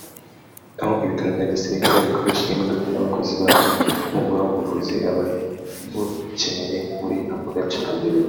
aho ibitaro bya gisirikare bikoresha imodoka n’abakozi babyo mu guha ubuvuzi ababukeneye muri ako gace